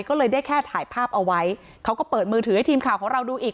ก็เลยได้แค่ถ่ายภาพเอาไว้เขาก็เปิดมือถือให้ทีมข่าวของเราดูอีก